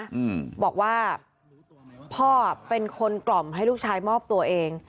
อืมบอกว่าพ่อเป็นคนกล่อมให้ลูกชายมอบตัวเอง